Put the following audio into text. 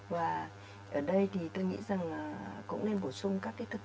và ở đây thì tôi nghĩ rằng cũng nên bổ sung các thực phẩm